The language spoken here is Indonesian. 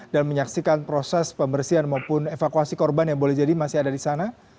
menyaksikan proses pembersihan maupun evakuasi korban yang boleh jadi masih ada di sana